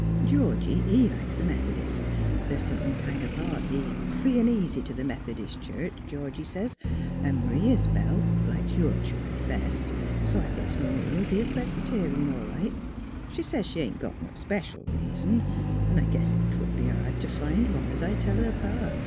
Georgie he likes the Meth'dists; th's somethin' kind o' hearty an' free 'n ' easy t' the Meth'dist Church, Georgie sez; an' M'ree Is' bell likes your church best, so I guess M'ree '11 be a Presb'terian all right. She sez she ain't got no speshul reason; 'n' I guess 't would be hard t^ find one, es I tell her pa.